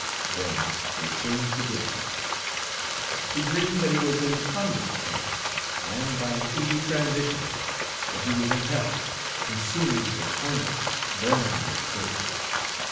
Then they changed again. He dreamed Page 320 that he was in the convict camp, and, by an easy transition, that he was in hell, consumed with hunger, burning with thirst.